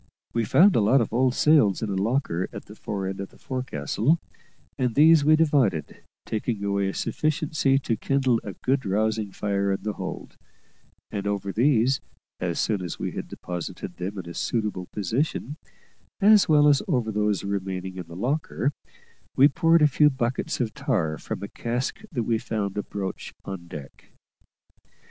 We found a lot of old sails in a locker at the fore end of the forecastle, and these we divided, taking away a sufficiency to kindle a good rousing fire in the hold; and over these, as soon as we had deposited them in a suitable position, as well as over those remaining in the locker, we poured a few buckets of tar from a cask we found abroach on deck.